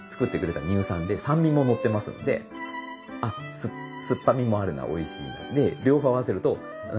あ酸っぱみもあるなおいしい。